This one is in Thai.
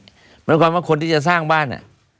เหมือนกับคนที่จะสร้างบ้าน